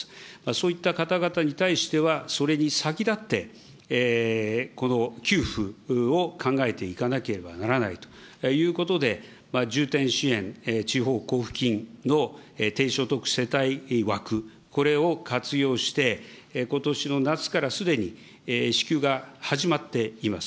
そういった方々に対しては、それに先立って、給付を考えていかなければならないということで、重点支援、地方交付金の低所得世帯枠、これを活用して、ことしの夏からすでに支給が始まっています。